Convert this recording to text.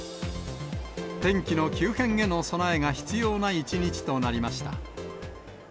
天気の急変への備えが必要な一日となりました。